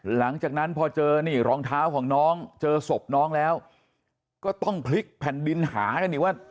หลังจากนั้นพอเจอนี่รองเท้าของน้องเจอศพน้องแล้วก็ต้องพลิกแผ่นดินหากันอีกว่า